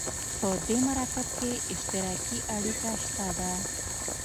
په دې مرکب کې اشتراکي اړیکه شته ده.